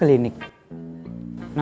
apalagi kalau ke klinik